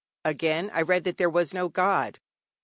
Again, I read that there was no God.